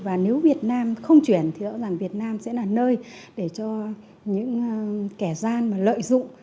và nếu việt nam không chuyển thì rõ ràng việt nam sẽ là nơi để cho những kẻ gian mà lợi dụng